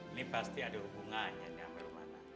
ini pasti ada hubungannya dengan rumana